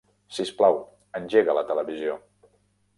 Sisplau, engega la televisió.